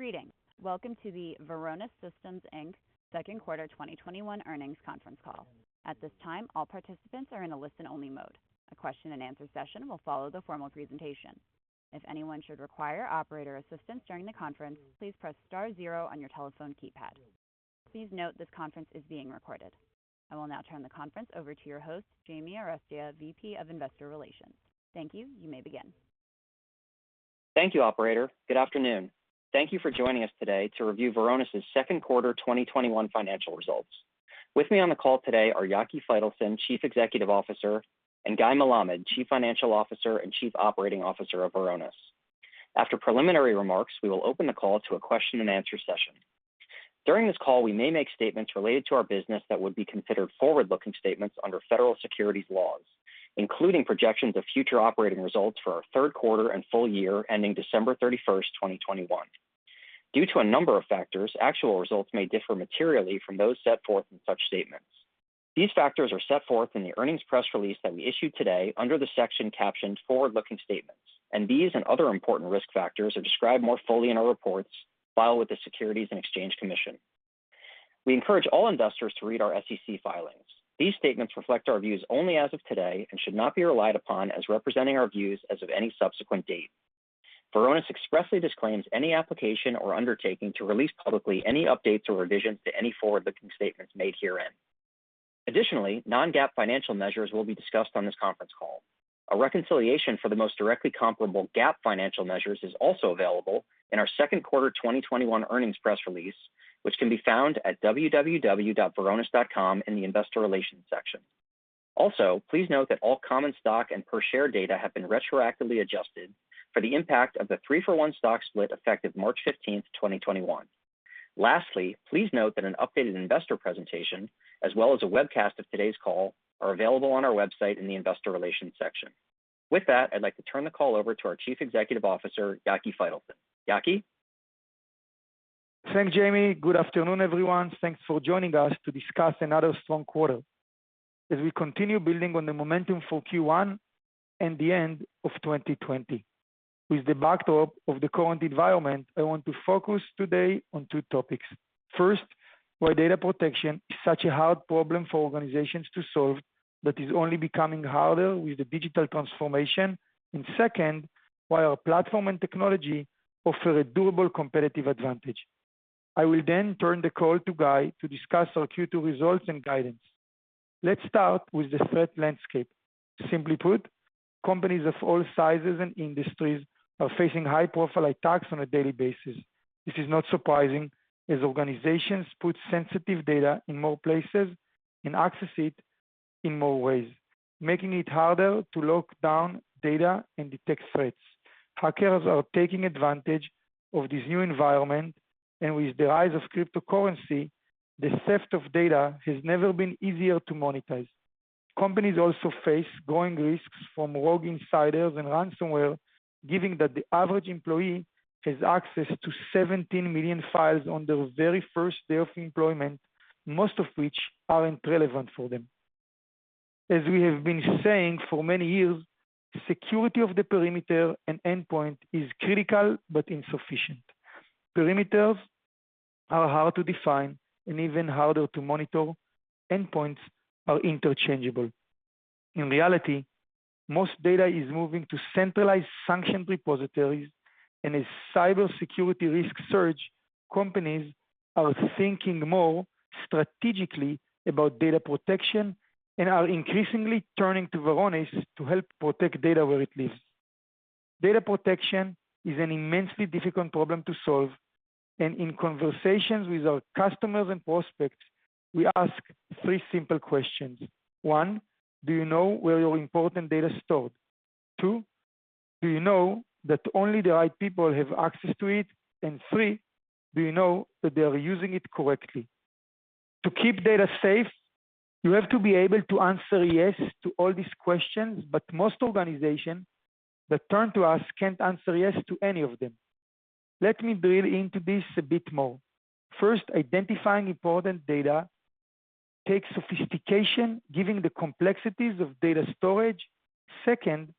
Greetings. Welcome to the Varonis Systems Inc. second quarter 2021 earnings conference call. At this time, all participants are in a listen-only mode. A question and answer session will follow the formal presentation. If anyone should require operator assistance during the conference, please press star zero on your telephone keypad. Please note this conference is being recorded. I will now turn the conference over to your host, James Arestia, VP of Investor Relations. Thank you. You may begin. Thank you, operator. Good afternoon. Thank you for joining us today to review Varonis' second quarter 2021 financial results. With me on the call today are Yaki Faitelson, Chief Executive Officer, and Guy Melamed, Chief Financial Officer and Chief Operating Officer of Varonis. After preliminary remarks, we will open the call to a question and answer session. During this call, we may make statements related to our business that would be considered forward-looking statements under Federal Securities laws, including projections of future operating results for our third quarter and full year ending December 31st, 2021. Due to a number of factors, actual results may differ materially from those set forth in such statements. These factors are set forth in the earnings press release that we issued today under the section captioned Forward-Looking Statements, and these and other important risk factors are described more fully in our reports filed with the Securities and Exchange Commission. We encourage all investors to read our SEC filings. These statements reflect our views only as of today and should not be relied upon as representing our views as of any subsequent date. Varonis expressly disclaims any application or undertaking to release publicly any updates or revisions to any forward-looking statements made herein. Additionally, non-GAAP financial measures will be discussed on this conference call. A reconciliation for the most directly comparable GAAP financial measures is also available in our second quarter 2021 earnings press release, which can be found at www.varonis.com in the investor relations section. Please note that all common stock and per share data have been retroactively adjusted for the impact of the three-for-one stock split effective March 15th, 2021. Lastly, please note that an updated investor presentation, as well as a webcast of today's call, are available on our website in the investor relations section. With that, I'd like to turn the call over to our Chief Executive Officer, Yaki Faitelson. Yaki? Thanks, Jamie. Good afternoon, everyone. Thanks for joining us to discuss another strong quarter as we continue building on the momentum for Q1 and the end of 2020. With the backdrop of the current environment, I want to focus today on two topics. First, why data protection is such a hard problem for organizations to solve that is only becoming harder with the digital transformation. Second, why our platform and technology offer a durable competitive advantage. I will then turn the call to Guy to discuss our Q2 results and guidance. Let's start with the threat landscape. Simply put, companies of all sizes and industries are facing high-profile attacks on a daily basis. This is not surprising, as organizations put sensitive data in more places and access it in more ways, making it harder to lock down data and detect threats. Hackers are taking advantage of this new environment, and with the rise of cryptocurrency, the theft of data has never been easier to monetize. Companies also face growing risks from rogue insiders and ransomware, given that the average employee has access to 17 million files on their very first day of employment, most of which aren't relevant for them. As we have been saying for many years, the security of the perimeter and endpoint is critical but insufficient. Perimeters are hard to define and even harder to monitor. Endpoints are interchangeable. In reality, most data is moving to centralized function repositories, and as cybersecurity risks surge, companies are thinking more strategically about data protection and are increasingly turning to Varonis to help protect data where it lives. Data protection is an immensely difficult problem to solve, and in conversations with our customers and prospects, we ask three simple questions. One, do you know where your important data is stored? Two, do you know that only the right people have access to it? Three, do you know that they are using it correctly? To keep data safe, you have to be able to answer yes to all these questions, but most organizations that turn to us can't answer yes to any of them. Let me drill into this a bit more. First, identifying important data takes sophistication, given the complexities of data storage. Second,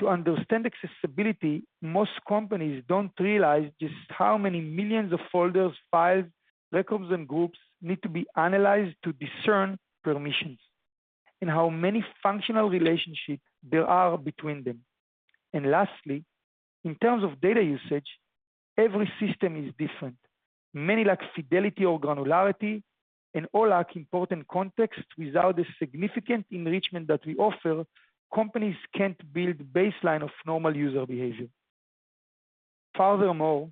to understand accessibility, most companies don't realize just how many millions of folders, files, records, and groups need to be analyzed to discern permissions and how many functional relationships there are between them. Lastly, in terms of data usage, every system is different. Many lack fidelity or granularity, and all lack important context. Without the significant enrichment that we offer, companies can't build baseline of normal user behavior. Furthermore,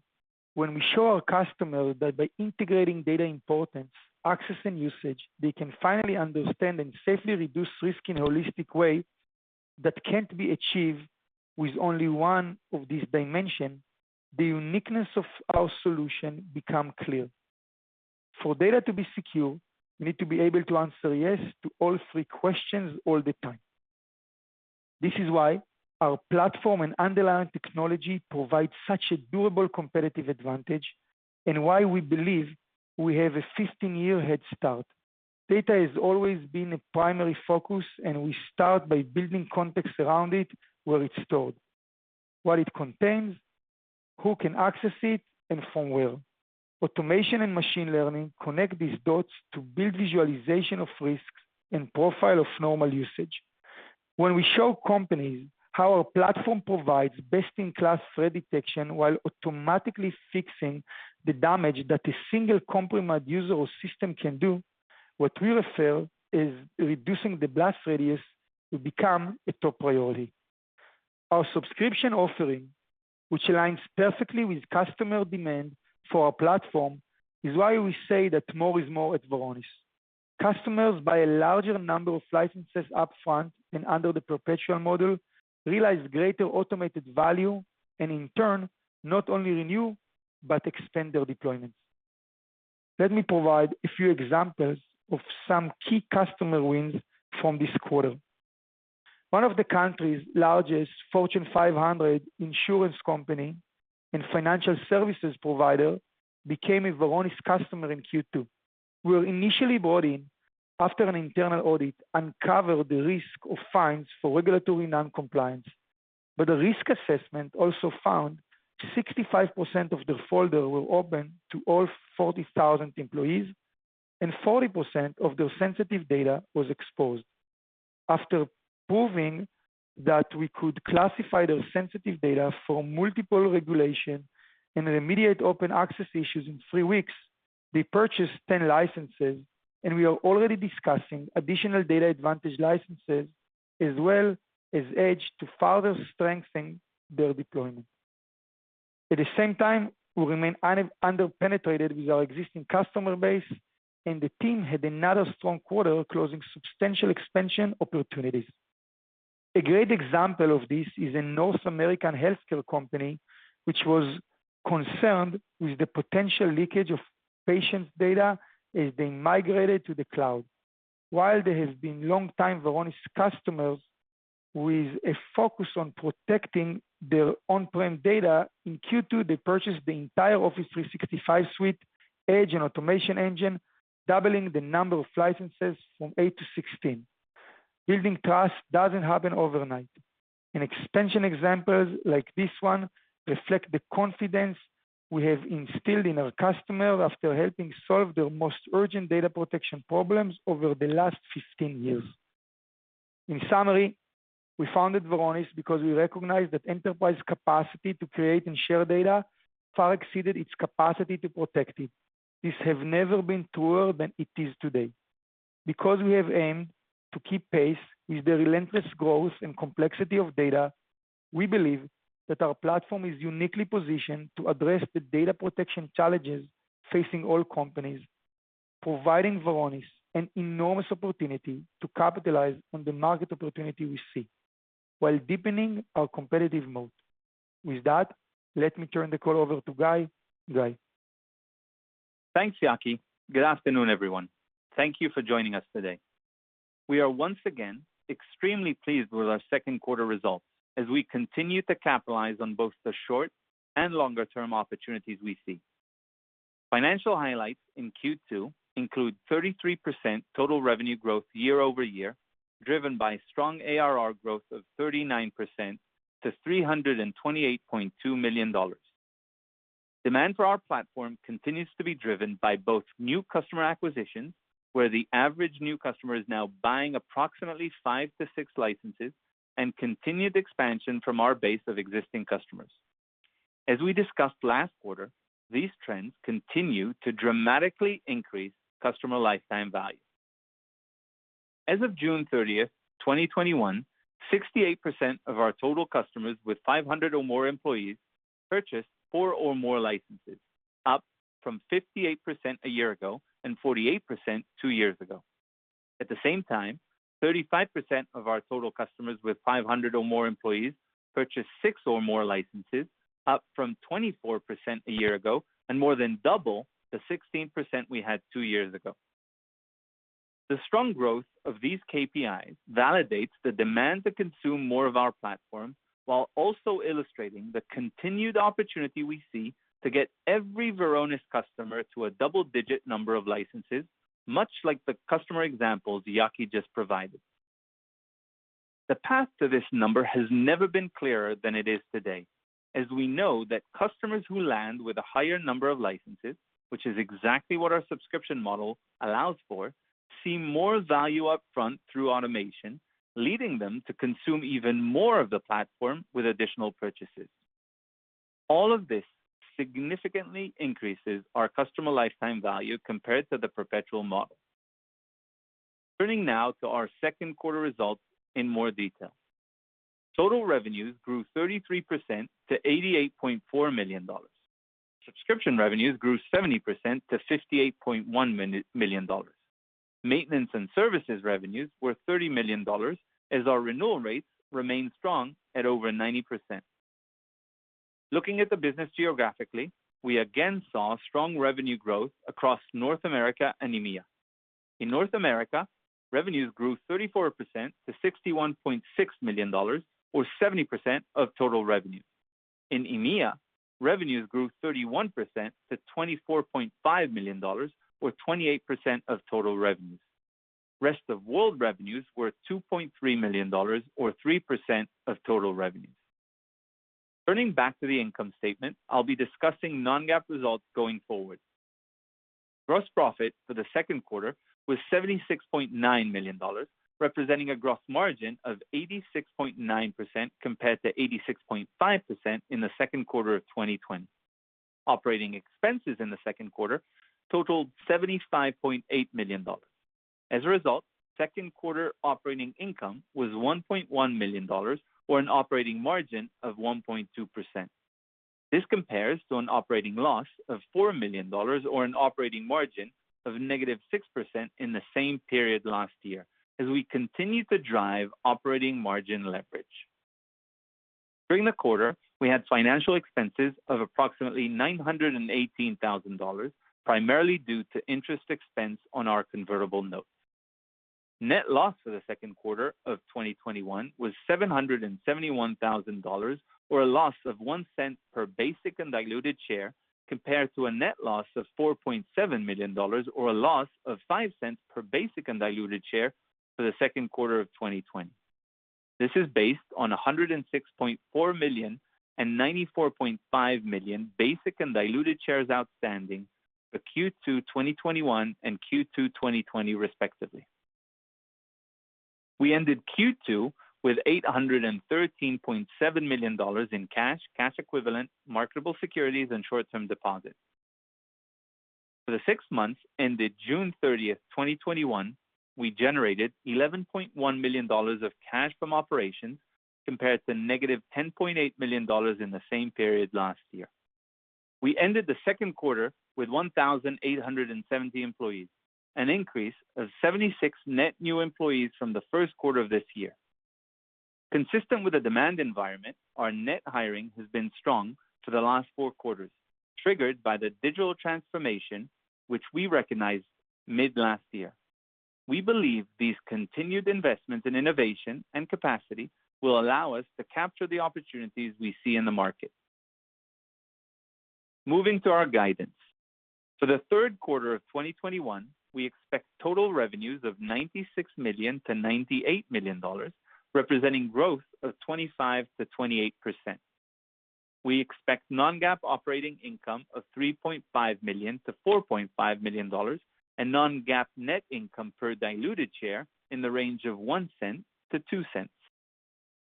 when we show our customers that by integrating data importance, access, and usage, they can finally understand and safely reduce risk in a holistic way that can't be achieved with only one of these dimensions, the uniqueness of our solution become clear. For data to be secure, you need to be able to answer yes to all three questions all the time. This is why our platform and underlying technology provide such a durable competitive advantage and why we believe we have a 15-year head start. Data has always been a primary focus, and we start by building context around it, where it's stored, what it contains, who can access it, and from where. Automation and machine learning connect these dots to build visualization of risks and profile of normal usage. When we show companies how our platform provides best-in-class threat detection while automatically fixing the damage that a single compromised user or system can do, what we refer is reducing the blast radius to become a top priority. Our subscription offering, which aligns perfectly with customer demand for our platform, is why we say that more is more at Varonis. Customers buy a larger number of licenses upfront and under the perpetual model, realize greater automated value, and in turn, not only renew, but extend their deployments. Let me provide a few examples of some key customer wins from this quarter. One of the country's largest Fortune 500 insurance company and financial services provider became a Varonis customer in Q2. We were initially brought in after an internal audit uncovered the risk of fines for regulatory non-compliance. The risk assessment also found 65% of their folder were open to all 40,000 employees, and 40% of their sensitive data was exposed. After proving that we could classify their sensitive data for multiple regulation and remediate open access issues in three weeks, they purchased 10 licenses, and we are already discussing additional DatAdvantage licenses, as well as Edge to further strengthen their deployment. At the same time, we remain under-penetrated with our existing customer base, and the team had another strong quarter closing substantial expansion opportunities. A great example of this is a North American healthcare company, which was concerned with the potential leakage of patients' data as they migrated to the cloud. While they have been long time Varonis customers with a focus on protecting their on-prem data, in Q2, they purchased the entire Office 365 suite, Edge, and Automation Engine, doubling the number of licenses from 8 to 16. Building trust doesn't happen overnight, expansion examples like this one reflect the confidence we have instilled in our customer after helping solve their most urgent data protection problems over the last 15 years. In summary, we founded Varonis because we recognized that enterprise capacity to create and share data far exceeded its capacity to protect it. This have never been truer than it is today. Because we have aimed to keep pace with the relentless growth and complexity of data, we believe that our platform is uniquely positioned to address the data protection challenges facing all companies, providing Varonis an enormous opportunity to capitalize on the market opportunity we see while deepening our competitive moat. With that, let me turn the call over to Guy. Guy? Thanks, Yaki. Good afternoon, everyone. Thank you for joining us today. We are once again extremely pleased with our second quarter results as we continue to capitalize on both the short and longer-term opportunities we see. Financial highlights in Q2 include 33% total revenue growth year-over-year, driven by strong ARR growth of 39% to $328.2 million. Demand for our platform continues to be driven by both new customer acquisitions, where the average new customer is now buying approximately five to six licenses, and continued expansion from our base of existing customers. As we discussed last quarter, these trends continue to dramatically increase customer lifetime value. As of June 30th, 2021, 68% of our total customers with 500 or more employees purchased four or more licenses, up from 58% a year ago and 48% two years ago. At the same time, 35% of our total customers with 500 or more employees purchased six or more licenses, up from 24% a year ago and more than double the 16% we had two years ago. The strong growth of these KPIs validates the demand to consume more of our platform while also illustrating the continued opportunity we see to get every Varonis customer to a double-digit number of licenses, much like the customer examples Yaki just provided. The path to this number has never been clearer than it is today, as we know that customers who land with a higher number of licenses, which is exactly what our subscription model allows for, see more value up front through automation, leading them to consume even more of the platform with additional purchases. All of this significantly increases our customer lifetime value compared to the perpetual model. Turning now to our second quarter results in more detail. Total revenues grew 33% to $88.4 million. Subscription revenues grew 70% to $58.1 million. Maintenance and services revenues were $30 million, as our renewal rates remain strong at over 90%. Looking at the business geographically, we again saw strong revenue growth across North America and EMEA. In North America, revenues grew 34% to $61.6 million, or 70% of total revenue. In EMEA, revenues grew 31% to $24.5 million, or 28% of total revenues. Rest of world revenues were $2.3 million, or 3% of total revenues. Turning back to the income statement, I'll be discussing non-GAAP results going forward. Gross profit for the second quarter was $76.9 million, representing a gross margin of 86.9%, compared to 86.5% in the second quarter of 2020. Operating expenses in the second quarter totaled $75.8 million. As a result, second quarter operating income was $1.1 million, or an operating margin of 1.2%. This compares to an operating loss of $4 million, or an operating margin of negative 6% in the same period last year, as we continue to drive operating margin leverage. During the quarter, we had financial expenses of approximately $918,000, primarily due to interest expense on our convertible notes. Net loss for the second quarter of 2021 was $771,000, or a loss of $0.01 per basic and diluted share, compared to a net loss of $4.7 million, or a loss of $0.05 per basic and diluted share for the second quarter of 2020. This is based on 106.4 million and 94.5 million basic and diluted shares outstanding for Q2 2021 and Q2 2020 respectively. We ended Q2 with $813.7 million in cash equivalents, marketable securities, and short-term deposits. For the six months ended June 30th, 2021, we generated $11.1 million of cash from operations compared to negative $10.8 million in the same period last year. We ended the second quarter with 1,870 employees, an increase of 76 net new employees from the first quarter of this year. Consistent with the demand environment, our net hiring has been strong for the last four quarters, triggered by the digital transformation which we recognized mid last year. We believe these continued investments in innovation and capacity will allow us to capture the opportunities we see in the market. Moving to our guidance. For the third quarter of 2021, we expect total revenues of $96 million-$98 million, representing growth of 25%-28%. We expect non-GAAP operating income of $3.5 million-$4.5 million, and non-GAAP net income per diluted share in the range of $0.01-$0.02.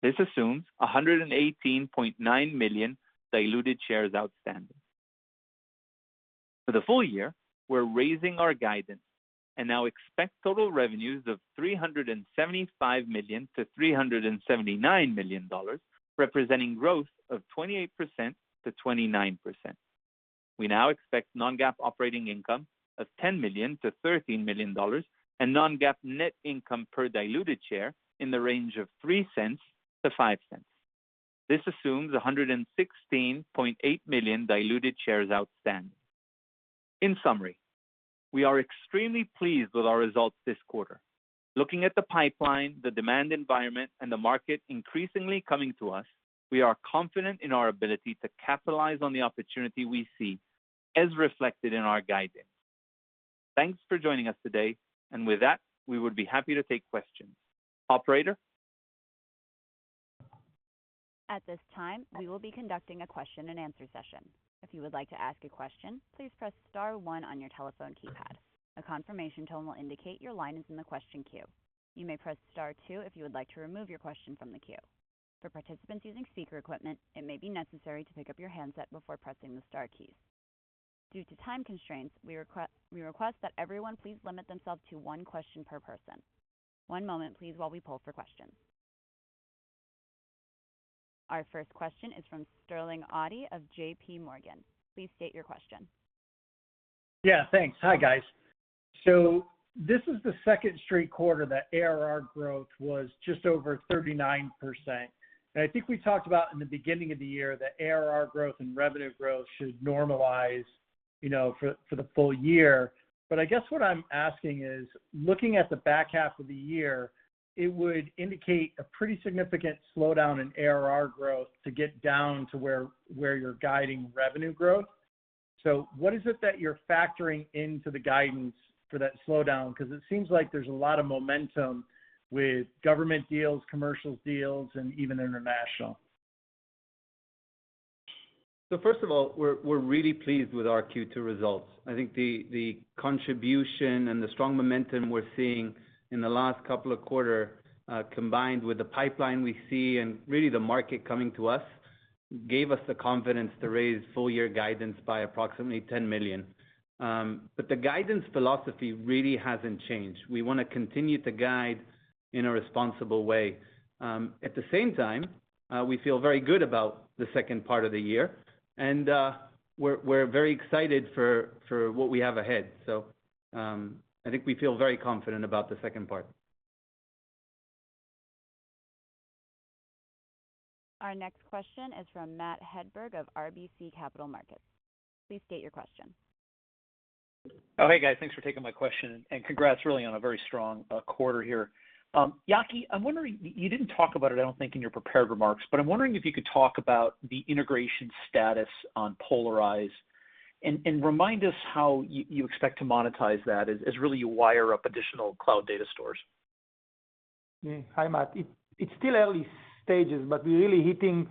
This assumes 118.9 million diluted shares outstanding. For the full year, we're raising our guidance and now expect total revenues of $375 million-$379 million, representing growth of 28%-29%. We now expect non-GAAP operating income of $10 million-$13 million, and non-GAAP net income per diluted share in the range of $0.03-$0.05. This assumes 116.8 million diluted shares outstanding. In summary, we are extremely pleased with our results this quarter. Looking at the pipeline, the demand environment, and the market increasingly coming to us, we are confident in our ability to capitalize on the opportunity we see, as reflected in our guidance. Thanks for joining us today. With that, we would be happy to take questions. Operator? At this time, we will be conducting a question and answer session. If you would like to ask a question, please press star one on your telephone keypad. A confirmation tone will indicate your line is in the question queue. You may press star two if you would like to remove your question from the queue. For participants using speaker equipment, it may be necessary to pick up your handset before pressing the star keys. Due to time constraints, we request that everyone please limit themselves to one question per person. One moment, please, while we poll for questions. Our first question is from Sterling Auty of J.P. Morgan. Please state your question. Yeah, thanks. Hi, guys. This is the second straight quarter that ARR growth was just over 39%. I think we talked about in the beginning of the year that ARR growth and revenue growth should normalize for the full year. I guess what I'm asking is, looking at the back half of the year, it would indicate a pretty significant slowdown in ARR growth to get down to where you're guiding revenue growth. What is it that you're factoring into the guidance for that slowdown? Because it seems like there's a lot of momentum with government deals, commercial deals, and even international. First of all, we're really pleased with our Q2 results. I think the contribution and the strong momentum we're seeing in the last couple of quarter, combined with the pipeline we see, and really the market coming to us, gave us the confidence to raise full year guidance by approximately $10 million. The guidance philosophy really hasn't changed. We want to continue to guide in a responsible way. At the same time, we feel very good about the second part of the year, and we're very excited for what we have ahead. I think we feel very confident about the second part. Our next question is from Matthew Hedberg of RBC Capital Markets. Please state your question. Oh, hey guys, thanks for taking my question, and congrats really on a very strong quarter here. Yaki, I'm wondering, you didn't talk about it, I don't think, in your prepared remarks, but I'm wondering if you could talk about the integration status on Polyrize, and remind us how you expect to monetize that as really you wire up additional cloud data stores. Yeah. Hi, Matt. It's still early stages, but we're really hitting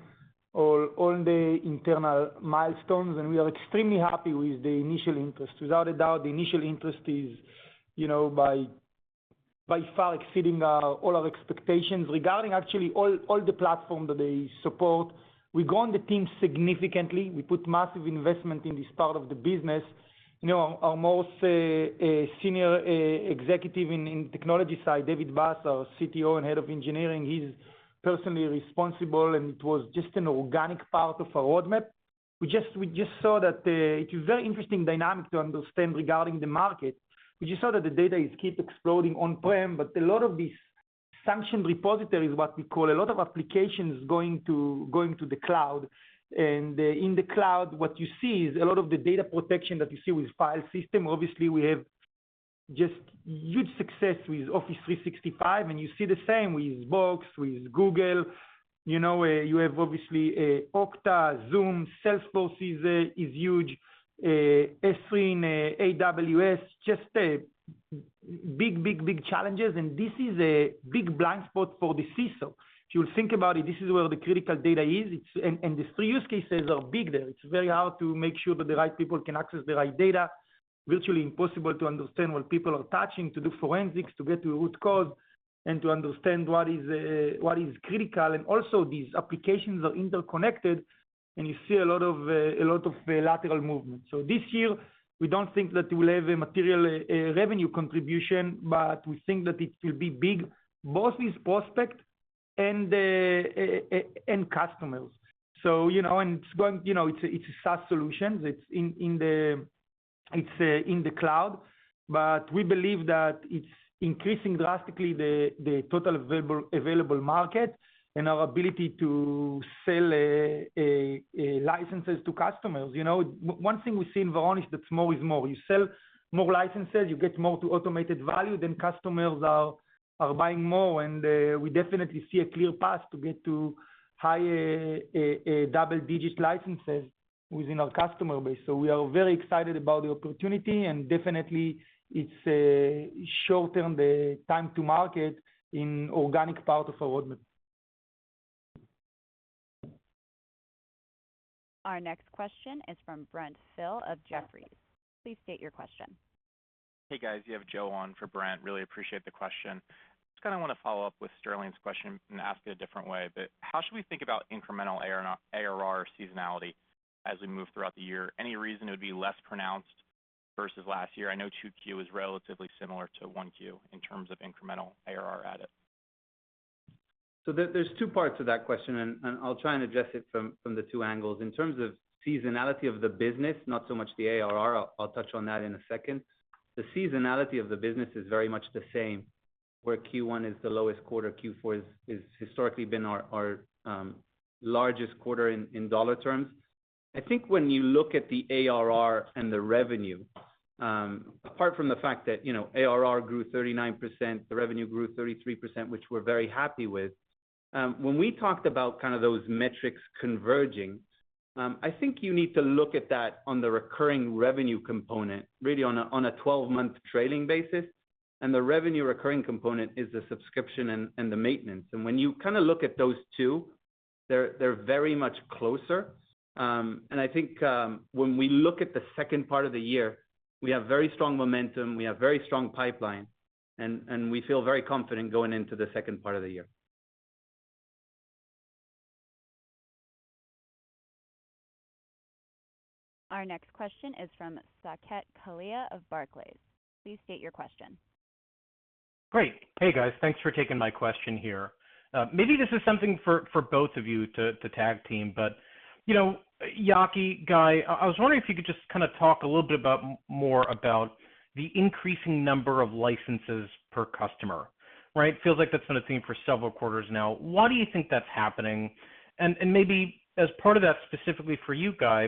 all the internal milestones, and we are extremely happy with the initial interest. Without a doubt, the initial interest is by far exceeding all our expectations. Regarding actually all the platform that they support, we've grown the team significantly. We put massive investment in this part of the business. Our most senior executive in technology side, David Bass, our CTO and head of engineering, he's personally responsible, and it was just an organic part of our roadmap. We just saw that it's a very interesting dynamic to understand regarding the market. We just saw that the data keeps exploding on-prem, but a lot of these sanctioned repositories, what we call a lot of applications going to the cloud, and in the cloud what you see is a lot of the data protection that you see with file system. Obviously, we have just huge success with Office 365, and you see the same with Box, with Google. You have obviously Okta, Zoom, Salesforce is huge. Azure and AWS, just big challenges, and this is a big blind spot for the CISO. If you think about it, this is where the critical data is, and the use cases are big there. It's very hard to make sure that the right people can access the right data. Virtually impossible to understand what people are touching, to do forensics, to get to root cause, and to understand what is critical. Also, these applications are interconnected, and you see a lot of lateral movement. This year, we don't think that we'll have a material revenue contribution, but we think that it will be big, both with prospect and customers. It's a SaaS solution. It's in the cloud. We believe that it's increasing drastically the total available market and our ability to sell licenses to customers. One thing we see in Varonis, that more is more. You sell more licenses, you get more to automated value, then customers are buying more. We definitely see a clear path to get to high double-digit licenses within our customer base. We are very excited about the opportunity, and definitely, it's shortened the time to market in organic part of our roadmap. Our next question is from Brent Thill of Jefferies. Please state your question. Hey, guys, you have Joe on for Brent. Really appreciate the question. Just kind of want to follow up with Sterling's question and ask it a different way a bit. How should we think about incremental ARR seasonality as we move throughout the year? Any reason it would be less pronounced versus last year? I know 2Q is relatively similar to 1Q in terms of incremental ARR added. There's two parts to that question, and I'll try and address it from the two angles. In terms of seasonality of the business, not so much the ARR, I'll touch on that in a second. The seasonality of the business is very much the same, where Q1 is the lowest quarter, Q4 has historically been our largest quarter in dollar terms. I think when you look at the ARR and the revenue, apart from the fact that ARR grew 39%, the revenue grew 33%, which we're very happy with. When we talked about those metrics converging, I think you need to look at that on the recurring revenue component, really on a 12-month trailing basis, and the revenue recurring component is the subscription and the maintenance. When you look at those two, they're very much closer. I think when we look at the second part of the year, we have very strong momentum, we have very strong pipeline, and we feel very confident going into the second part of the year. Our next question is from Saket Kalia of Barclays. Please state your question. Great. Hey, guys, thanks for taking my question here. Maybe this is something for both of you to tag team. Yaki, Guy, I was wondering if you could just talk a little bit more about the increasing number of licenses per customer, right? Feels like that's been a theme for several quarters now. Why do you think that's happening? Maybe as part of that, specifically for you, Guy,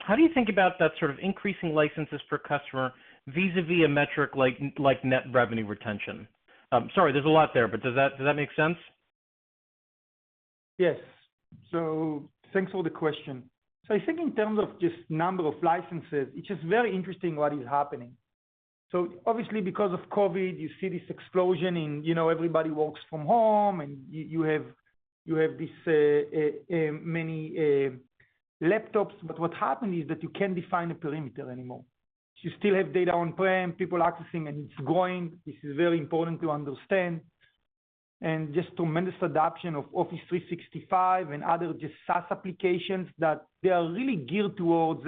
how do you think about that sort of increasing licenses per customer vis-a-vis a metric like net revenue retention? Sorry, there's a lot there, but does that make sense? Yes. Thanks for the question. I think in terms of just number of licenses, it's just very interesting what is happening. Obviously because of COVID, you see this explosion in everybody works from home, and you have this many laptops. What happened is that you can't define a perimeter anymore. You still have data on-prem, people accessing, and it's growing. This is very important to understand. Just tremendous adoption of Office 365 and other just SaaS applications that they are really geared towards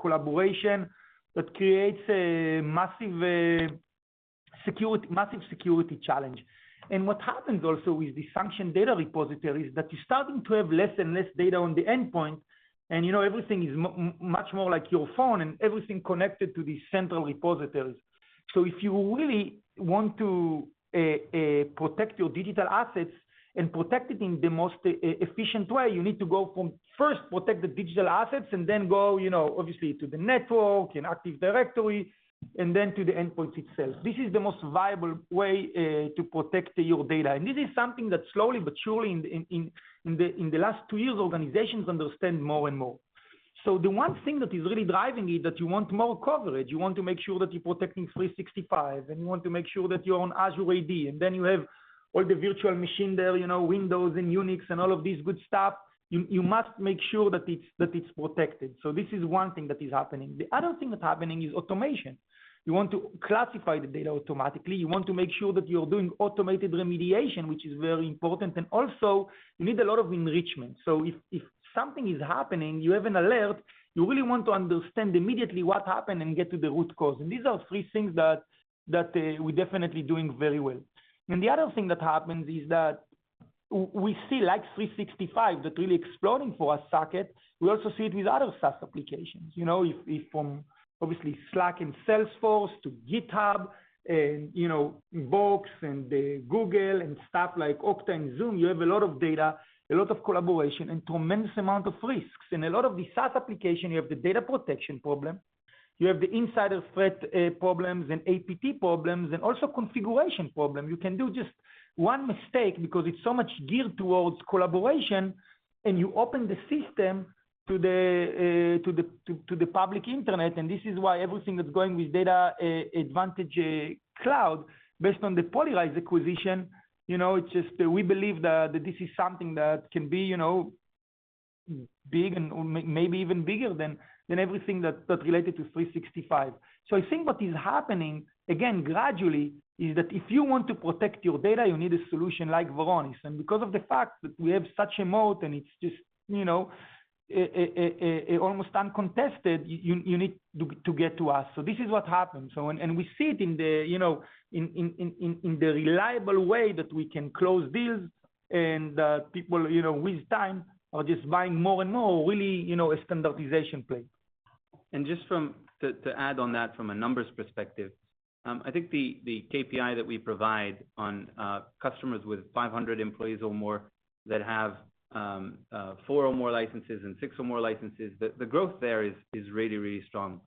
collaboration, but creates a massive security challenge. What happens also with the sanctioned data repositories, that you're starting to have less and less data on the endpoint, and everything is much more like your phone, and everything connected to these central repositories. If you really want to protect your digital assets and protect it in the most efficient way, you need to first protect the digital assets and then go, obviously, to the network and Active Directory, and then to the endpoint itself. This is the most viable way to protect your data. This is something that slowly but surely in the last 2 years, organizations understand more and more. The one thing that is really driving it, that you want more coverage, you want to make sure that you're protecting 365, and you want to make sure that you're on Azure AD, and then you have all the virtual machine there, Windows and Unix and all of this good stuff, you must make sure that it's protected. This is one thing that is happening. The other thing that's happening is automation. You want to classify the data automatically. You want to make sure that you're doing automated remediation, which is very important, and also you need a lot of enrichment. If something is happening, you have an alert, you really want to understand immediately what happened and get to the root cause. These are three things that we're definitely doing very well. The other thing that happens is that we see like 365, that really exploding for us, Saket, we also see it with other SaaS applications. From obviously Slack and Salesforce to GitHub, and Box, and Google, and stuff like Okta and Zoom. You have a lot of data, a lot of collaboration, and tremendous amount of risks. In a lot of the SaaS application, you have the data protection problem, you have the insider threat problems and APT problems, and also configuration problem. You can do just one mistake because it's so much geared towards collaboration, and you open the system to the public internet, and this is why everything that's going with DatAdvantage Cloud, based on the Polyrize acquisition, we believe that this is something that can be big and maybe even bigger than everything that's related to 365. I think what is happening, again, gradually, is that if you want to protect your data, you need a solution like Varonis. Because of the fact that we have such a moat and it's just almost uncontested, you need to get to us. This is what happens. We see it in the reliable way that we can close deals and people with time are just buying more and more, really a standardization play. Just to add on that from a numbers perspective, I think the KPI that we provide on customers with 500 employees or more that have four or more licenses and six or more licenses, the growth there is really, really strong.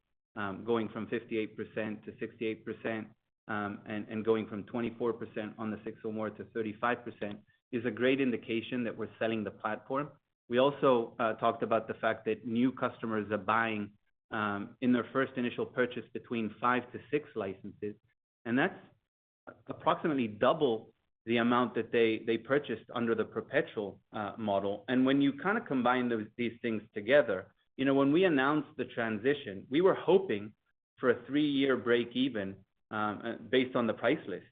Going from 58% to 68%, and going from 24% on the six or more to 35%, is a great indication that we're selling the platform. We also talked about the fact that new customers are buying, in their first initial purchase, between five to six licenses, and that's approximately double the amount that they purchased under the perpetual model. When you kind of combine these things together, when we announced the transition, we were hoping for a three-year break even, based on the price list.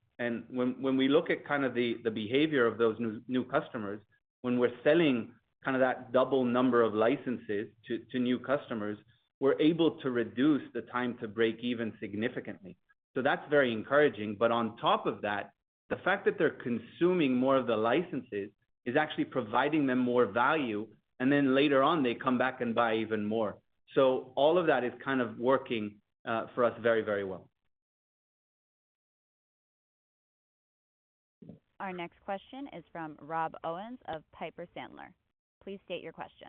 When we look at kind of the behavior of those new customers, when we're selling kind of that double number of licenses to new customers, we're able to reduce the time to break even significantly. That's very encouraging. On top of that, the fact that they're consuming more of the licenses is actually providing them more value, and then later on, they come back and buy even more. All of that is kind of working for us very, very well. Our next question is from Rob Owens of Piper Sandler. Please state your question.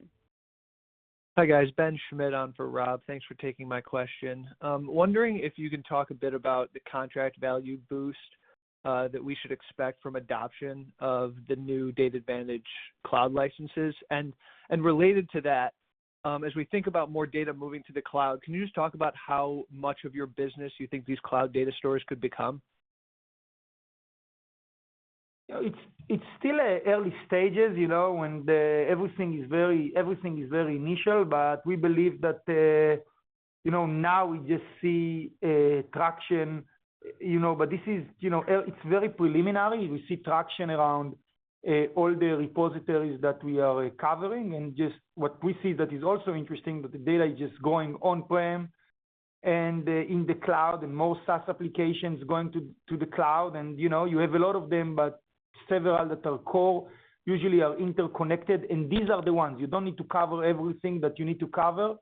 Hi, guys. Ben Schmitt on for Rob. Thanks for taking my question. Wondering if you can talk a bit about the contract value boost that we should expect from adoption of the new DatAdvantage Cloud licenses? Related to that, as we think about more data moving to the cloud, can you just talk about how much of your business you think these cloud data stores could become? It's still early stages, and everything is very initial, but we believe that now we just see traction, but it's very preliminary. We see traction around all the repositories that we are covering, and just what we see that is also interesting, that the data is just going on-prem and in the cloud and most SaaS applications going to the cloud. You have a lot of them, but several that are core usually are interconnected, and these are the ones. You don't need to cover everything that you need to cover.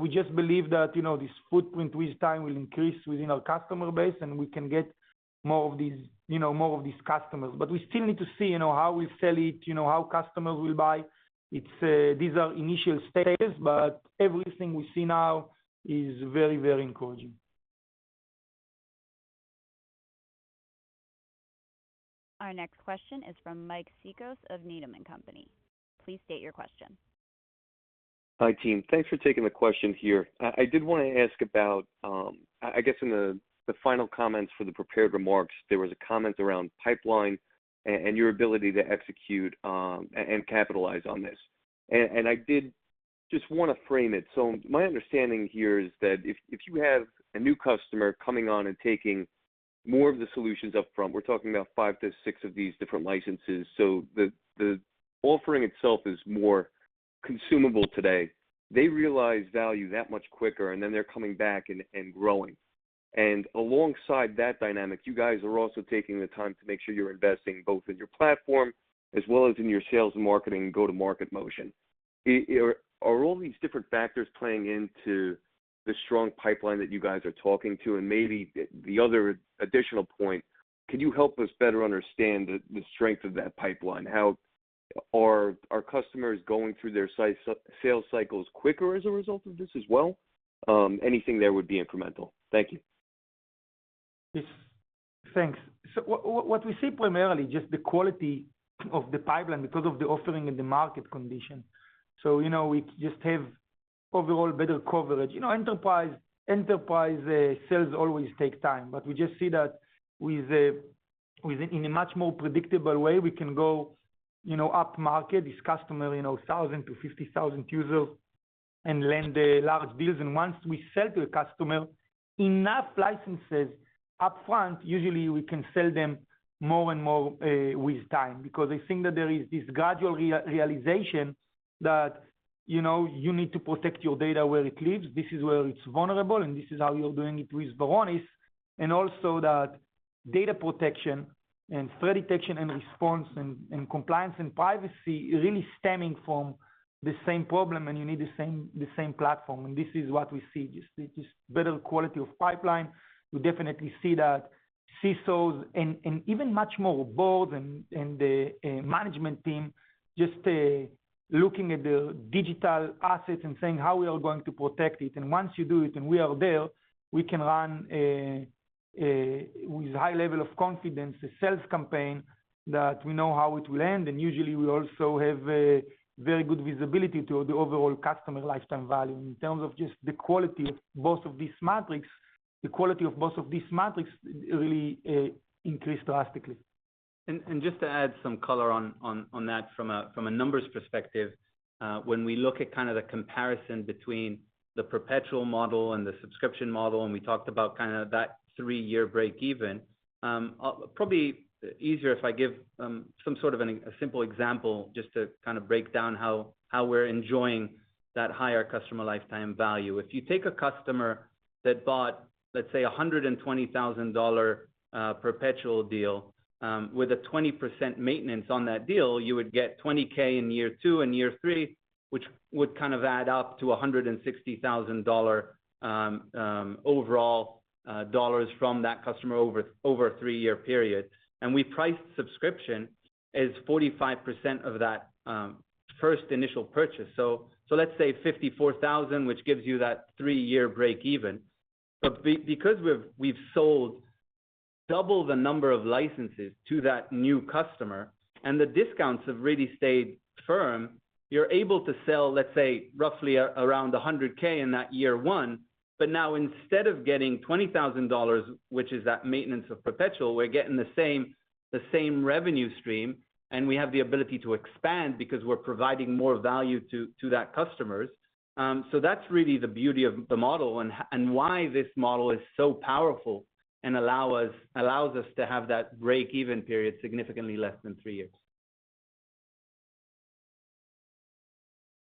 We just believe that this footprint with time will increase within our customer base, and we can get more of these customers. We still need to see how we sell it, how customers will buy. These are initial stages, but everything we see now is very, very encouraging. Our next question is from Mike Cikos of Needham & Company. Please state your question. Hi, team. Thanks for taking the question here. I did want to ask about, I guess in the final comments for the prepared remarks, there was a comment around pipeline and your ability to execute, and capitalize on this. I did just want to frame it. My understanding here is that if you have a new customer coming on and taking more of the solutions up front, we're talking about five to six of these different licenses, so the offering itself is more consumable today. They realize value that much quicker, and then they're coming back and growing. Alongside that dynamic, you guys are also taking the time to make sure you're investing both in your platform as well as in your sales and marketing and go-to-market motion. Are all these different factors playing into the strong pipeline that you guys are talking to? Maybe the other additional point, can you help us better understand the strength of that pipeline? Are customers going through their sales cycles quicker as a result of this as well? Anything there would be incremental. Thank you. Yes. Thanks. What we see primarily just the quality of the pipeline because of the offering and the market condition. We just have overall better coverage. Enterprise sales always take time, but we just see that in a much more predictable way, we can go up market this customer, 1,000 to 50,000 users and land large deals. Once we sell to a customer, enough licenses upfront, usually we can sell them more and more with time, because I think that there is this gradual realization that you need to protect your data where it lives. This is where it's vulnerable, and this is how you're doing it with Varonis. Also that data protection and threat detection and response and compliance and privacy really stemming from the same problem and you need the same platform, and this is what we see. Just better quality of pipeline. We definitely see that CISOs and even much more bold in the management team, just looking at the digital assets and saying how we are going to protect it. Once you do it, and we are there, we can run, with high level of confidence, a sales campaign that we know how it will end, and usually we also have a very good visibility to the overall customer lifetime value. In terms of just the quality of both of these metrics, the quality of both of these metrics really increase drastically. Just to add some color on that from a numbers perspective, when we look at kind of the comparison between the perpetual model and the subscription model, we talked about kind of that three-year break even, probably easier if I give some sort of a simple example just to kind of break down how we're enjoying that higher customer lifetime value. If you take a customer that bought, let's say, $120,000 perpetual deal, with a 20% maintenance on that deal, you would get $20,000 in year two and year three, which would kind of add up to $160,000 overall dollars from that customer over a three-year period. We priced subscription as 45% of that first initial purchase. Let's say $54,000, which gives you that three-year break even. Because we've sold double the number of licenses to that new customer, and the discounts have really stayed firm, you're able to sell, let's say, roughly around $100K in that year one. Now instead of getting $20,000, which is that maintenance of perpetual, we're getting the same revenue stream, and we have the ability to expand because we're providing more value to that customer. That's really the beauty of the model and why this model is so powerful and allows us to have that break-even period significantly less than three years.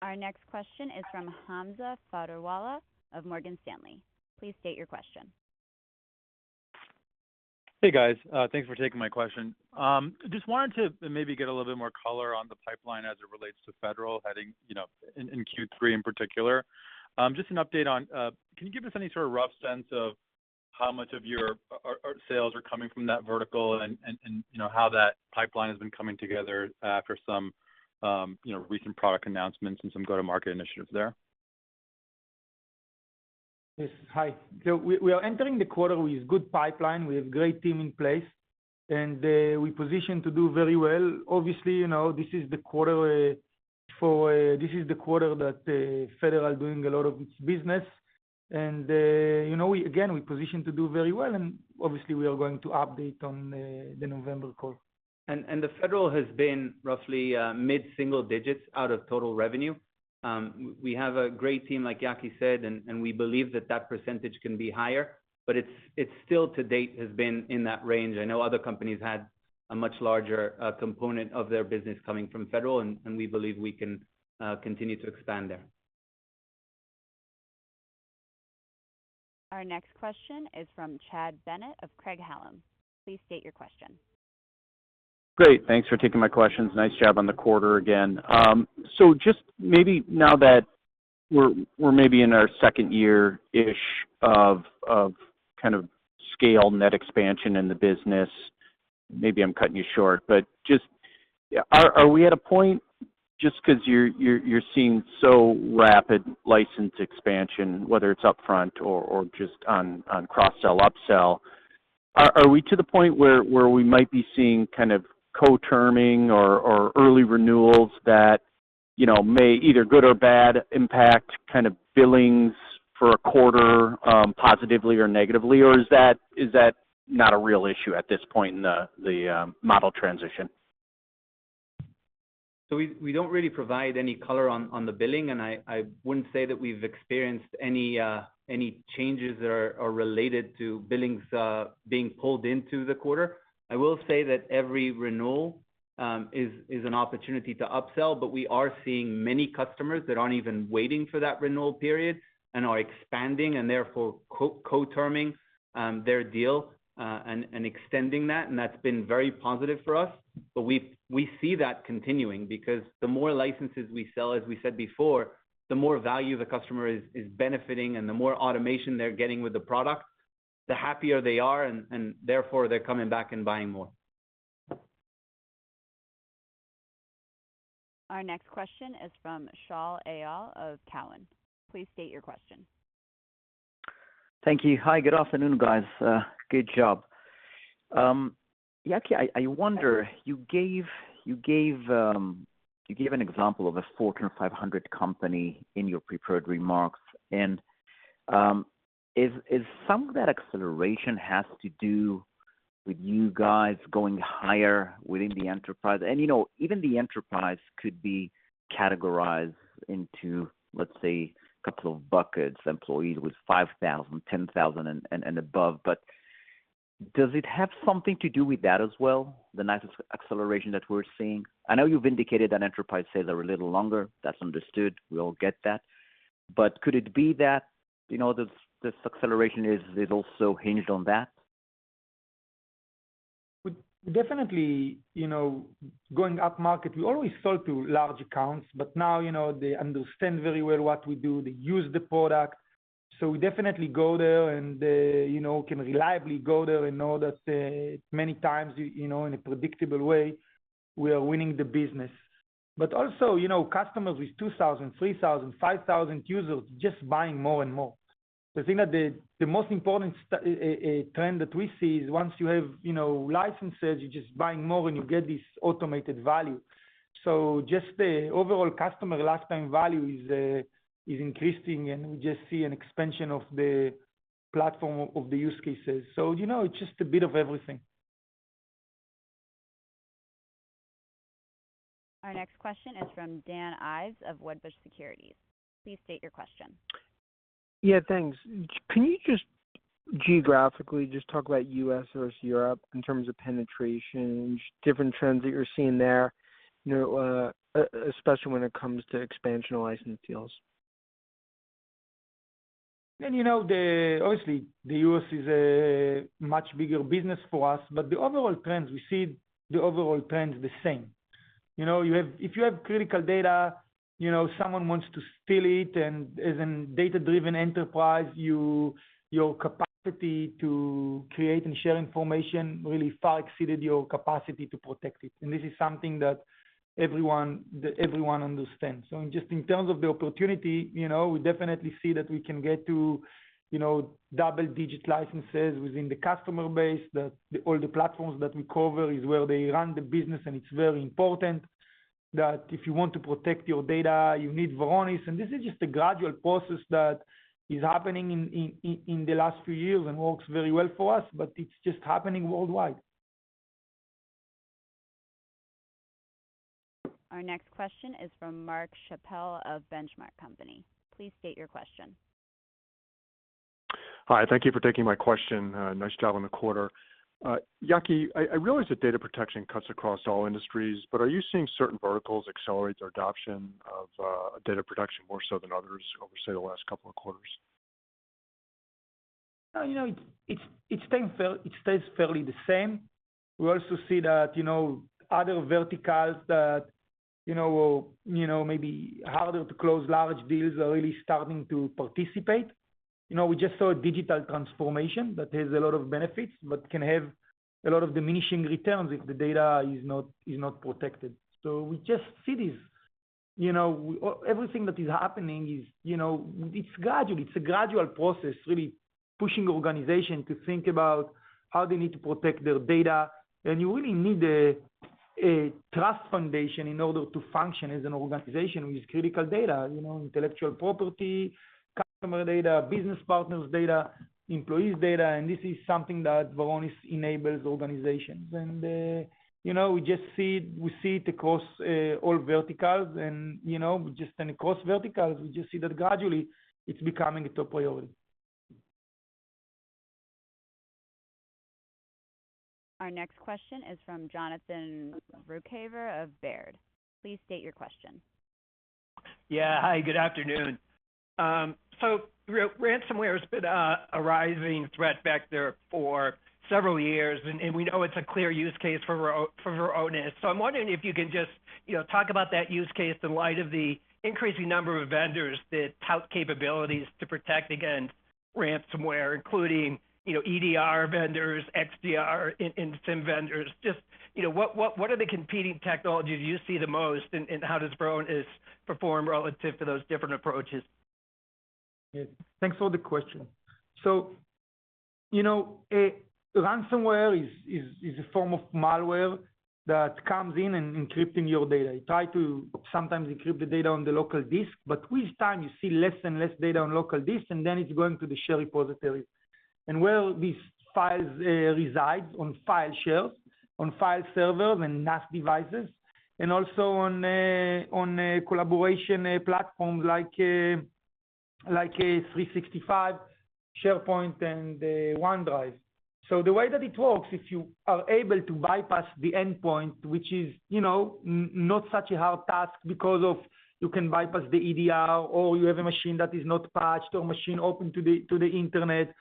Our next question is from Hamza Fodderwala of Morgan Stanley. Please state your question. Hey, guys. Thanks for taking my question. Just wanted to maybe get a little bit more color on the pipeline as it relates to federal, in Q3 in particular. Just an update on, can you give us any sort of rough sense of how much of your sales are coming from that vertical and how that pipeline has been coming together after some recent product announcements and some go-to market initiatives there? Yes. Hi. We are entering the quarter with good pipeline. We have great team in place, and we position to do very well. Obviously, this is the quarter that Federal doing a lot of its business. Again, we position to do very well, and obviously, we are going to update on the November call. The federal has been roughly mid-single digits out of total revenue. We have a great team, like Yaki said, we believe that percentage can be higher, it still to date has been in that range. I know other companies had a much larger component of their business coming from federal, we believe we can continue to expand there. Our next question is from Chad Bennett of Craig-Hallum. Please state your question. Great. Thanks for taking my questions. Nice job on the quarter again. Just maybe now that we're maybe in our second year-ish of kind of scale net expansion in the business, maybe I'm cutting you short, but are we at a point just because you're seeing so rapid license expansion, whether it's upfront or just on cross-sell, upsell, are we to the point where we might be seeing kind of co-terming or early renewals that may either good or bad impact kind of billings for a quarter, positively or negatively, or is that not a real issue at this point in the model transition? We don't really provide any color on the billing, and I wouldn't say that we've experienced any changes that are related to billings being pulled into the quarter. I will say that every renewal is an opportunity to upsell, but we are seeing many customers that aren't even waiting for that renewal period and are expanding and therefore co-terming their deal, and extending that, and that's been very positive for us. We see that continuing because the more licenses we sell, as we said before, the more value the customer is benefiting and the more automation they're getting with the product, the happier they are, and therefore, they're coming back and buying more. Our next question is from Shaul Eyal of Cowen. Please state your question. Thank you. Hi, good afternoon, guys. Good job. Yaki, I wonder, you gave an example of a Fortune 500 company in your prepared remarks. Is some of that acceleration has to do with you guys going higher within the enterprise? Even the enterprise could be categorized into, let's say, a couple of buckets, employees with 5,000, 10,000 and above. Does it have something to do with that as well, the nice acceleration that we're seeing? I know you've indicated that enterprise sales are a little longer. That's understood. We all get that. Could it be that this acceleration is also hinged on that? Definitely, going up market, we always sell to large accounts. Now they understand very well what we do. They use the product. We definitely go there and can reliably go there and know that many times, in a predictable way, we are winning the business. Also, customers with 2,000, 3,000, 5,000 users, just buying more and more. The thing that the most important trend that we see is once you have licenses, you're just buying more when you get this automated value. Just the overall customer lifetime value is increasing, and we just see an expansion of the platform of the use cases. It's just a bit of everything. Our next question is from Dan Ives of Wedbush Securities. Please state your question. Yeah, thanks. Can you just geographically just talk about U.S. versus Europe in terms of penetration, different trends that you're seeing there, especially when it comes to expansion or licensing deals? You know, obviously, the US is a much bigger business for us, but the overall trends we see, the overall trend is the same. If you have critical data, someone wants to steal it, and as a data-driven enterprise, your capacity to create and share information really far exceeded your capacity to protect it. This is something that everyone understands. Just in terms of the opportunity, we definitely see that we can get to double-digit licenses within the customer base, that all the platforms that we cover is where they run the business, and it's very important that if you want to protect your data, you need Varonis. This is just a gradual process that is happening in the last few years and works very well for us, but it's just happening worldwide. Our next question is from Mark Schappel of The Benchmark Company. Please state your question. Hi, thank you for taking my question. Nice job on the quarter. Yaki, I realize that data protection cuts across all industries, but are you seeing certain verticals accelerate their adoption of data protection more so than others over, say, the last couple of quarters? It stays fairly the same. We also see that other verticals that maybe harder to close large deals are really starting to participate. We just saw digital transformation that has a lot of benefits, but can have a lot of diminishing returns if the data is not protected. We just see this. Everything that is happening is gradual. It's a gradual process, really pushing organization to think about how they need to protect their data. You really need a trust foundation in order to function as an organization with critical data, intellectual property, customer data, business partners data, employees data, and this is something that Varonis enables organizations. We see it across all verticals, and just across verticals, we just see that gradually it's becoming a top priority. Our next question is from Jonathan Ruykhaver of Baird. Please state your question. Yeah. Hi, good afternoon. Ransomware has been a rising threat vector for several years, and we know it's a clear use case for Varonis. I'm wondering if you can just talk about that use case in light of the increasing number of vendors that tout capabilities to protect against ransomware, including EDR vendors, XDR and SIEM vendors. Just, what are the competing technologies you see the most, and how does Varonis perform relative to those different approaches? Yeah. Thanks for the question. Ransomware is a form of malware that comes in and encrypting your data. It try to sometimes encrypt the data on the local disk, but with time you see less and less data on local disk, and then it's going to the share repository. Where these files reside on file shares, on file servers, and NAS devices, and also on collaboration platforms like 365, SharePoint, and OneDrive. The way that it works, if you are able to bypass the endpoint, which is not such a hard task because of you can bypass the EDR, or you have a machine that is not patched, or a machine open to the internet.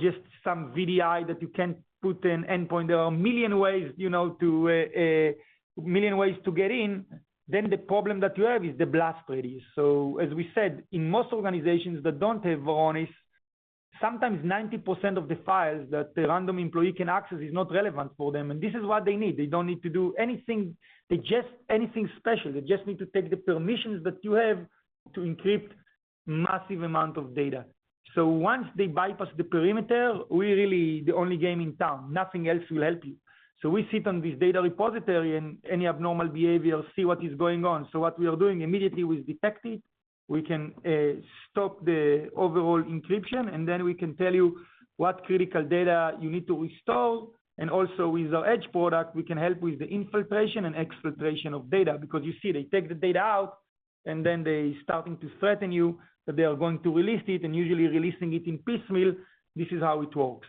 Just some VDI that you can put an endpoint. There are a million ways to get in. The problem that you have is the blast radius. As we said, in most organizations that don't have Varonis, sometimes 90% of the files that the random employee can access is not relevant for them, and this is what they need. They don't need to do anything special. They just need to take the permissions that you have to encrypt massive amount of data. Once they bypass the perimeter, we're really the only game in town. Nothing else will help you. We sit on this data repository, and any abnormal behavior, see what is going on. What we are doing, immediately we detect it, we can stop the overall encryption, and then we can tell you what critical data you need to restore. Also with our Edge product, we can help with the infiltration and exfiltration of data, because you see, they take the data out, and then they're starting to threaten you that they are going to release it, and usually releasing it in piecemeal. This is how it works.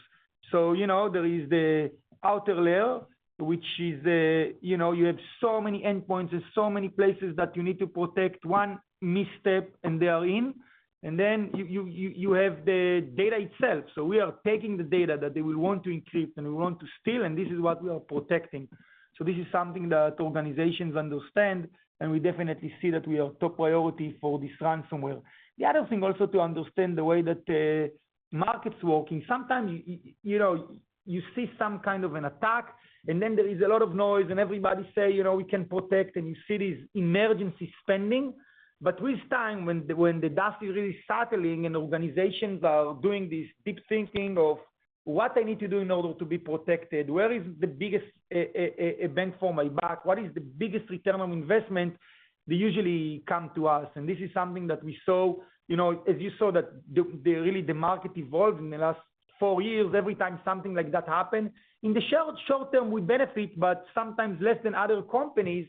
There is the outer layer, which is, you have so many endpoints and so many places that you need to protect. One misstep, and they are in. Then you have the data itself. We are taking the data that they will want to encrypt and will want to steal, and this is what we are protecting. This is something that organizations understand, and we definitely see that we are top priority for this ransomware. The other thing, also, to understand the way that the market's working, sometimes you see some kind of an attack, and then there is a lot of noise and everybody say, "We can protect," and you see this emergency spending. With time, when the dust is really settling and organizations are doing this deep thinking of what they need to do in order to be protected, where is the biggest bang for my buck? What is the biggest return on investment? They usually come to us, and this is something that we saw. As you saw that really the market evolved in the last four years, every time something like that happened. In the short term, we benefit, but sometimes less than other companies.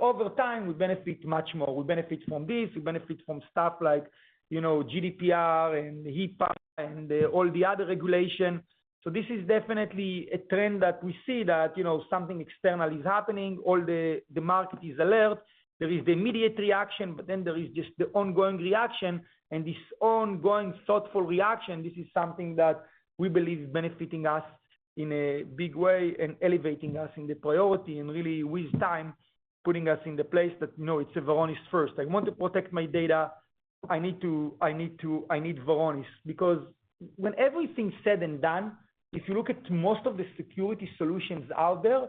Over time, we benefit much more. We benefit from this, we benefit from stuff like GDPR, and HIPAA, and all the other regulation. This is definitely a trend that we see that something external is happening, all the market is alert. There is the immediate reaction, but then there is just the ongoing reaction, and this ongoing, thoughtful reaction, this is something that we believe is benefiting us in a big way and elevating us in the priority, and really, with time, putting us in the place that, no, it's Varonis first. I want to protect my data, I need Varonis. When everything's said and done, if you look at most of the security solutions out there,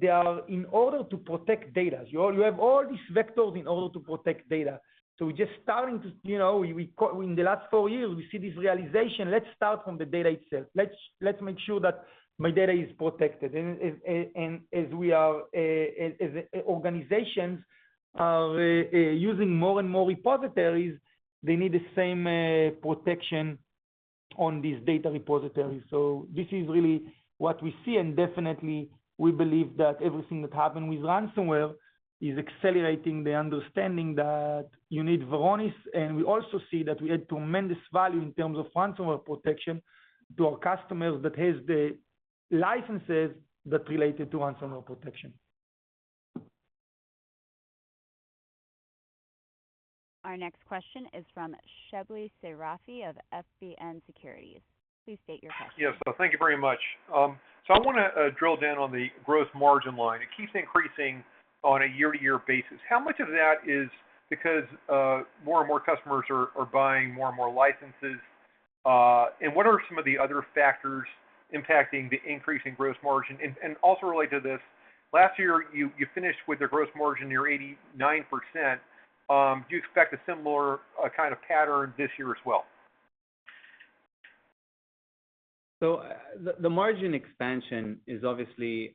they are in order to protect data. You have all these vectors in order to protect data. In the last four years, we see this realization, let's start from the data itself. Let's make sure that my data is protected. As organizations are using more and more repositories, they need the same protection on these data repositories. This is really what we see, and definitely, we believe that everything that happened with ransomware is accelerating the understanding that you need Varonis. We also see that we add tremendous value in terms of ransomware protection to our customers that has the licenses that related to ransomware protection. Our next question is from Shebly Seyrafi of FBN Securities. Please state your question. Yes. Thank you very much. I want to drill down on the gross margin line. It keeps increasing on a year-to-year basis. How much of that is because more and more customers are buying more and more licenses? What are some of the other factors impacting the increase in gross margin? Also related to this, last year, you finished with your gross margin near 89%. Do you expect a similar kind of pattern this year as well? The margin expansion is obviously,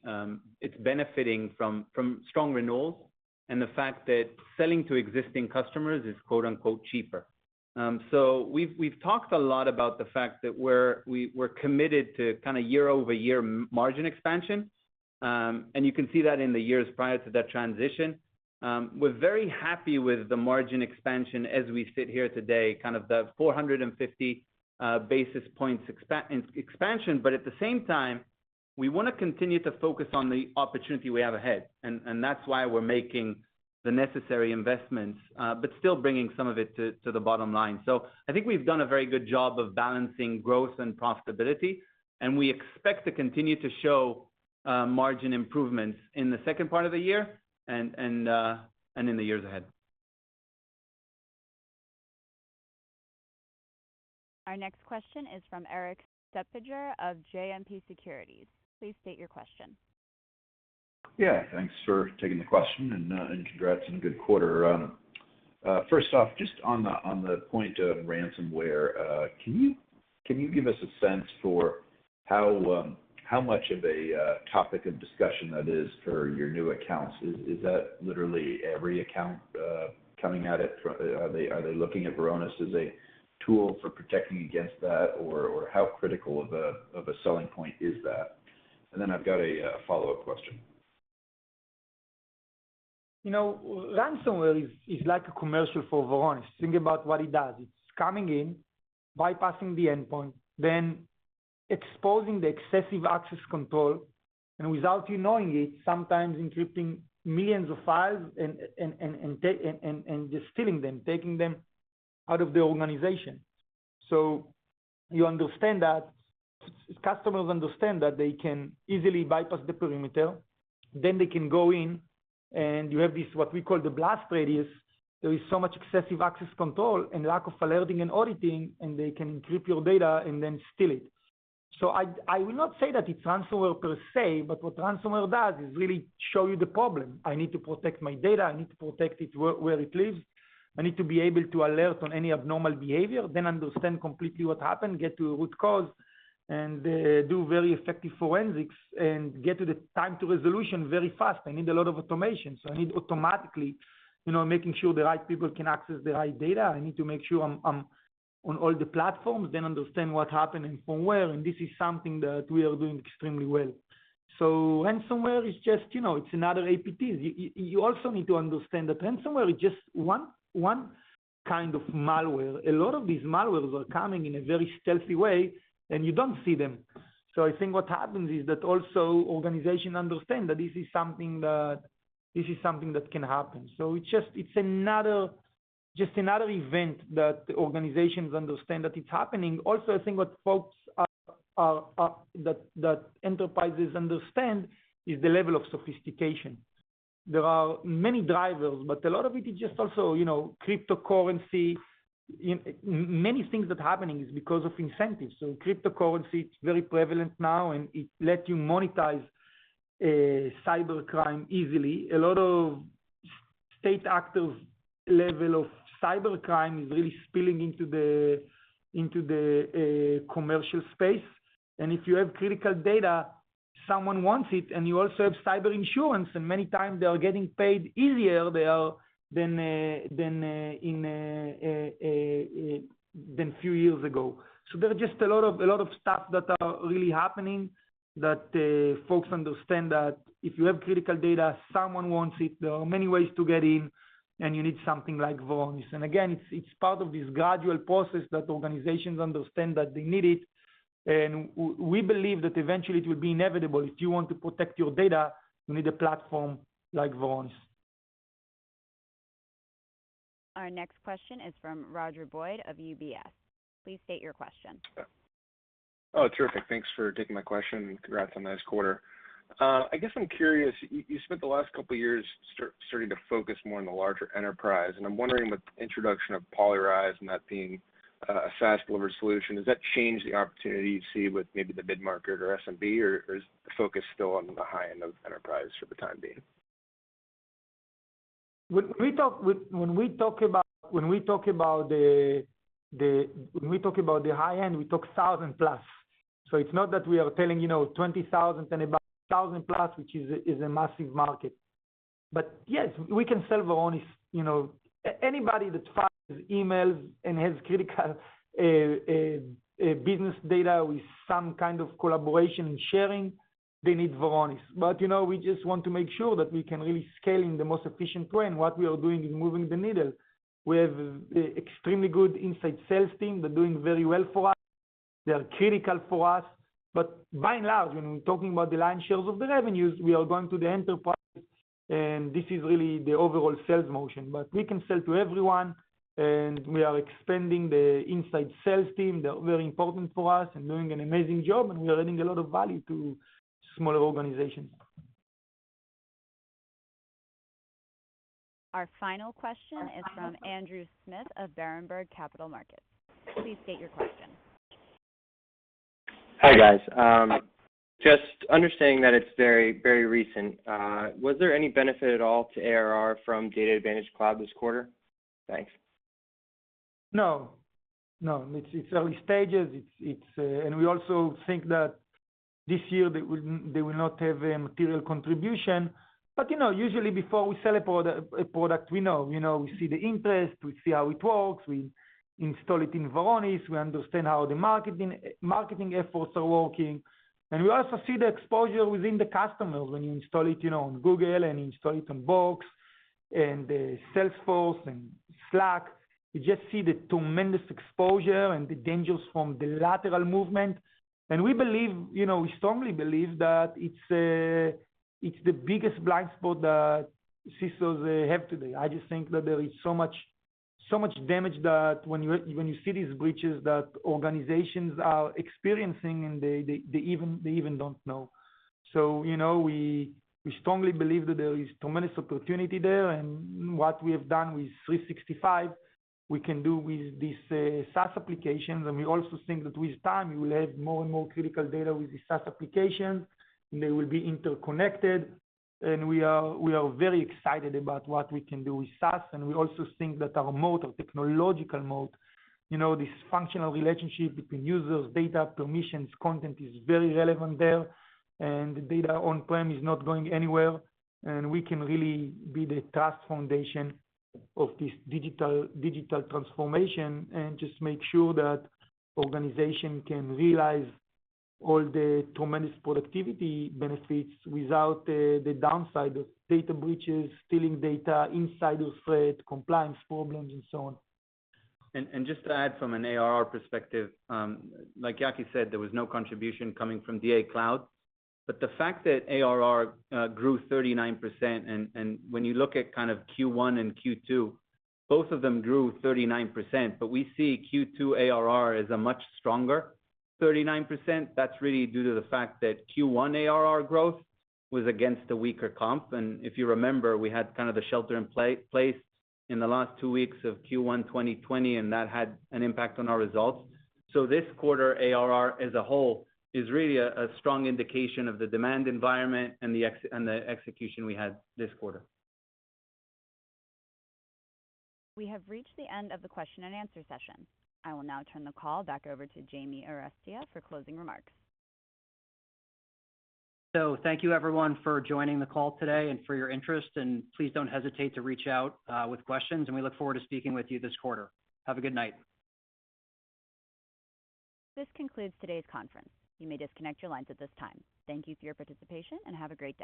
it's benefiting from strong renewals and the fact that selling to existing customers is "cheaper." We've talked a lot about the fact that we're committed to year-over-year margin expansion, and you can see that in the years prior to that transition. We're very happy with the margin expansion as we sit here today, kind of the 450 basis points expansion. At the same time, we want to continue to focus on the opportunity we have ahead. That's why we're making the necessary investments, but still bringing some of it to the bottom line. I think we've done a very good job of balancing growth and profitability, and we expect to continue to show margin improvements in the second part of the year and in the years ahead. Our next question is from Erik Suppiger of JMP Securities. Please state your question. Yeah. Thanks for taking the question, and congrats on a good quarter. First off, just on the point of ransomware, can you give us a sense for how much of a topic of discussion that is for your new accounts? Is that literally every account coming at it, are they looking at Varonis as a tool for protecting against that? How critical of a selling point is that? I've got a follow-up question. You know, ransomware is like a commercial for Varonis. Think about what it does. It's coming in, bypassing the endpoint, then exposing the excessive access control, and without you knowing it, sometimes encrypting millions of files and just stealing them, taking them out of the organization. Customers understand that they can easily bypass the perimeter, then they can go in, and you have this, what we call the blast radius. There is so much excessive access control and lack of alerting and auditing, they can encrypt your data and then steal it. I will not say that it's ransomware per se, but what ransomware does is really show you the problem. I need to protect my data, I need to protect it where it lives. I need to be able to alert on any abnormal behavior, then understand completely what happened, get to a root cause, and do very effective forensics, and get to the time to resolution very fast. I need a lot of automation. I need automatically, making sure the right people can access the right data. I need to make sure I'm on all the platforms, then understand what happened, and from where, and this is something that we are doing extremely well. Ransomware is just another APT. You also need to understand that ransomware is just one kind of malware. A lot of these malwares are coming in a very stealthy way, and you don't see them. I think what happens is that also organizations understand that this is something that can happen. It's just another event that organizations understand that it's happening. I think what enterprises understand is the level of sophistication. There are many drivers, but a lot of it is just also cryptocurrency. Many things that happening is because of incentives. Cryptocurrency, it's very prevalent now, and it let you monetize cybercrime easily. A lot of state actor level of cybercrime is really spilling into the commercial space. If you have critical data, someone wants it, and you also have cyber insurance, and many times they are getting paid easier than few years ago. There are just a lot of stuff that are really happening that folks understand that if you have critical data, someone wants it, there are many ways to get in, and you need something like Varonis. Again, it's part of this gradual process that organizations understand that they need it. We believe that eventually it will be inevitable. If you want to protect your data, you need a platform like Varonis. Our next question is from Roger Boyd of UBS. Please state your question. Oh, terrific. Thanks for taking my question, and congrats on the nice quarter. I guess I'm curious, you spent the last couple years starting to focus more on the larger enterprise, and I'm wondering with the introduction of Polyrize and that being a SaaS delivered solution, does that change the opportunity you see with maybe the mid-market or SMB, or is the focus still on the high end of enterprise for the time being? When we talk about the high end, we talk 1,000+. It's not that we are telling 20,000, 10,000+, which is a massive market. Yes, we can sell Varonis. Anybody that files emails and has critical business data with some kind of collaboration and sharing, they need Varonis. We just want to make sure that we can really scale in the most efficient way, and what we are doing is moving the needle. We have extremely good inside sales team. They're doing very well for us. They are critical for us. By and large, when we're talking about the lion's share of the revenues, we are going to the enterprise, and this is really the overall sales motion. We can sell to everyone, and we are expanding the inside sales team. They're very important for us and doing an amazing job, and we are adding a lot of value to smaller organizations. Our final question is from Andrew Smith of Berenberg Capital Markets. Please state your question. Hi, guys. Just understanding that it's very, very recent, was there any benefit at all to ARR from DatAdvantage Cloud this quarter? Thanks. No. No, it's early stages. We also think that this year they will not have a material contribution. Usually before we sell a product, we know. We see the interest, we see how it works, we install it in Varonis, we understand how the marketing efforts are working. We also see the exposure within the customers when you install it on Google, and install it on Box, and Salesforce, and Slack. You just see the tremendous exposure and the dangers from the lateral movement. We strongly believe that it's the biggest blind spot that CISOs have today. I just think that there is so much damage that when you see these breaches, that organizations are experiencing, and they even don't know. We strongly believe that there is tremendous opportunity there, and what we have done with 365, we can do with these SaaS applications. We also think that with time, you will have more and more critical data with the SaaS applications, and they will be interconnected. We are very excited about what we can do with SaaS, and we also think that our mode, our technological mode, this functional relationship between users, data, permissions, content is very relevant there. Data on-prem is not going anywhere, and we can really be the trust foundation of this digital transformation, and just make sure that organization can realize all the tremendous productivity benefits without the downside of data breaches, stealing data, insider threat, compliance problems and so on. Just to add from an ARR perspective, like Yaki said, there was no contribution coming from DA Cloud. The fact that ARR grew 39%, and when you look at Q1 and Q2, both of them grew 39%, but we see Q2 ARR as a much stronger 39%. That's really due to the fact that Q1 ARR growth was against a weaker comp. If you remember, we had kind of the shelter in place in the last two weeks of Q1 2020, and that had an impact on our results. This quarter, ARR as a whole is really a strong indication of the demand environment and the execution we had this quarter. We have reached the end of the question and answer session. I will now turn the call back over to James Arestia for closing remarks. Thank you everyone for joining the call today and for your interest. Please don't hesitate to reach out with questions. We look forward to speaking with you this quarter. Have a good night. This concludes today's conference. You may disconnect your lines at this time. Thank you for your participation and have a great day.